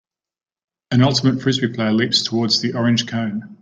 An Ultimate Frisbee player leaps toward the orange cone.